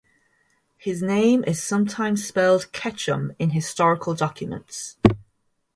His name is sometimes spelled Ketchum in historical documents.